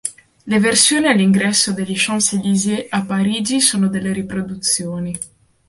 Le versioni all'ingresso degli Champs-Élysées a Parigi sono delle riproduzioni.